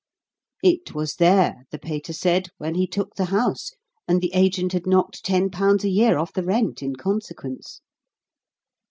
It was there, the Pater said, when he took the house, and the agent had knocked ten pounds a year off the rent in consequence.